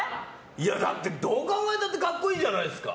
だって、どう考えたって格好いいじゃないですか。